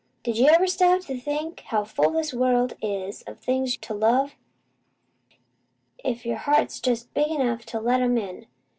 "D'you ever stop to think how full this world is o' things to love, if your heart's jest big enough to let 'em in?